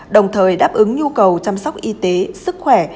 đồng thời đáp ứng nhu cầu chăm sóc y tế sức khỏe